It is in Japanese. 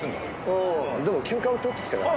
ああでも休暇を取ってきたから。